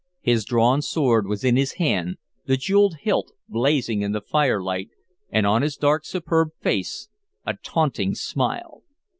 His drawn sword was in his hand, the jeweled hilt blazing in the firelight, and on his dark, superb face a taunting smile.